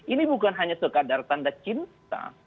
ini bukan hanya sekadar tanda cinta